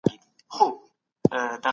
احتکار کوونکو خلک په لوږه کي پرېښودل.